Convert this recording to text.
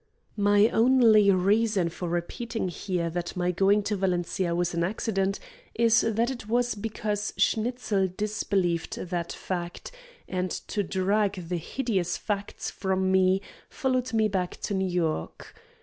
My only reason for repeating here that my going to Valencia was an accident is that it was because Schnitzel disbelieved that fact, and to drag the hideous facts from me followed me back to New York.